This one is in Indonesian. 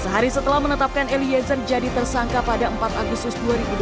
sehari setelah menetapkan eliezer jadi tersangka pada empat agustus dua ribu dua puluh